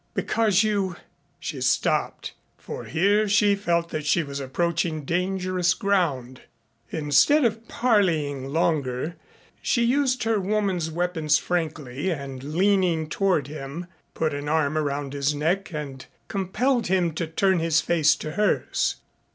Because you " She stopped, for here she felt that she was approaching dangerous ground. Instead of parleying longer, she used her woman's weapons frankly and leaning toward him put an arm around his neck and compelled him to turn his face to hers.